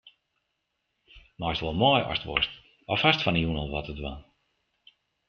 Meist wol mei ast wolst of hast fan 'e jûn al wat te dwaan?